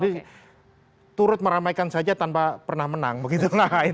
itu meramaikan saja tanpa pernah menang begitu